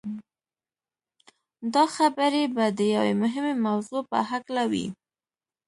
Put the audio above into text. دا خبرې به د يوې مهمې موضوع په هکله وي.